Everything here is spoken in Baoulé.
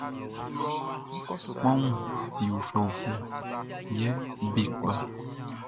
Kpanwunʼn ti uflɛuflɛ, yɛ be kpa.